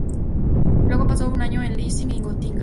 Luego pasó un año en Leipzig y Gotinga.